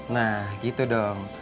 nah gitu dong